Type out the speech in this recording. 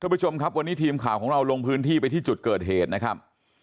ผู้ชมครับวันนี้ทีมข่าวของเราลงพื้นที่ไปที่จุดเกิดเหตุนะครับ